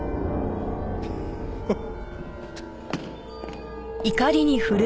フッ。